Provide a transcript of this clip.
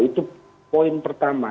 itu poin pertama